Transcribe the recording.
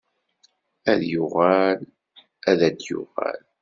Ad yuɣal ad d-yuɣal.